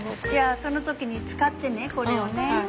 その時に使ってねこれをね。